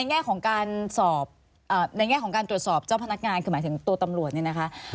ในแง่ของการตรวจสอบเจ้าพนักงานหมายถึงตัวตำรวจเนี่ยนะคะ